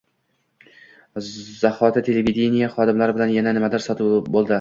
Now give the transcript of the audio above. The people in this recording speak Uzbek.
zahoti televideniye xodimlari bilan yana nimadir sodir bo‘ldi